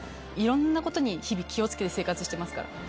いろんなことに日々気をつけて生活してますから。